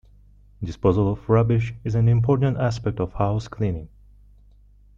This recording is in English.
Disposal of rubbish is an important aspect of house cleaning.